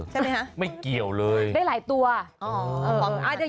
ใช่ไหมฮะได้หลายตัวไม่เกี่ยวเลยอ๋ออ๋อ